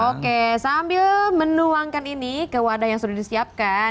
oke sambil menuangkan ini ke wadah yang sudah disiapkan